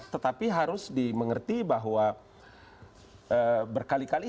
tetapi harus dimengerti bahwa berkali kali